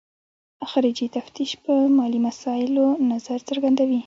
خارجي تفتیش په مالي مسایلو نظر څرګندوي.